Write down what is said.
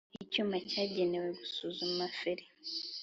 Icyuma cyagenewe gusuzuma feri